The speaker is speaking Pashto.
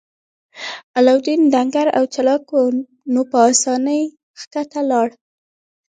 علاوالدین ډنګر او چلاک و نو په اسانۍ ښکته لاړ.